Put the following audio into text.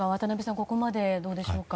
ここまでどうでしょうか。